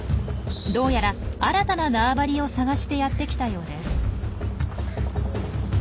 どうやら新たな縄張りを探してやってきたようです。